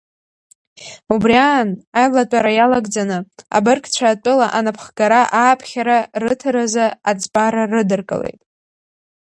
Убри аан, аилатәара иалагӡаны, абыргцәа атәыла анаԥхгара ааԥхьара рыҭаразы аӡбара рыдыркылеит.